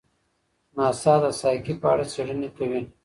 ناسا د سایکي په اړه څېړنې کوي.